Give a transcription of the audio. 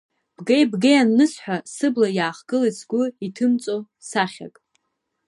Бгеи-бгеи анысҳәа, сыбла иаахгылеит сгәы иҭымҵәо сахьак.